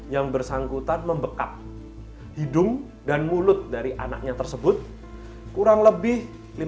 yang bersangkutan membekap hidung dan mulut dari anaknya tersebut kurang lebih lima belas menit